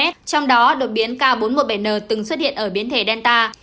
trong đó đột biến k bốn trăm một mươi bảy n từng xuất hiện ở biến thể delta